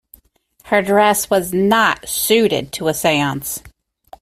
Her dress was not suited to a seance.